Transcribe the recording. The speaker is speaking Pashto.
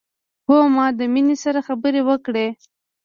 هو ما د مينې سره خبرې وکړې